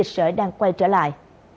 sởi đang quay trở lại